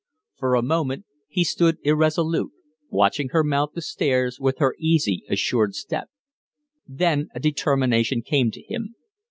For a moment he stood irresolute, watching her mount the stairs with her easy, assured step. Then a determination came to him.